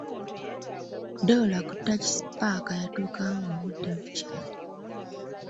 Doola ku takisi paaka yatuukawo ng'obudde bukyali.